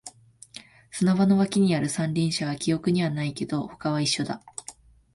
砂場の脇にある三輪車は記憶にはないけど、他は一緒だ